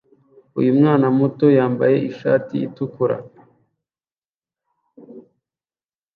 Uyu mwana muto yambaye ishati itukura